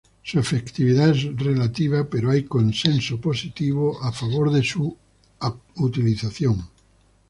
Su efectividad es relativa, pero hay consenso positivo en favor de su utilización.